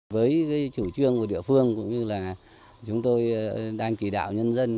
với chủ trương của địa phương cũng như là chúng tôi đang chỉ đạo nhân dân